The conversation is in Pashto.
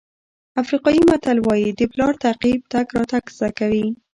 افریقایي متل وایي د پلار تعقیب تګ راتګ زده کوي.